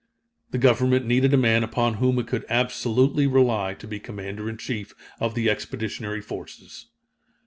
The Government needed a man upon whom it could absolutely rely to be Commander in chief of the Expeditionary Forces.